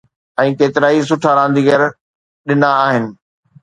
۽ ڪيترائي سٺا رانديگر ڏنا آهن.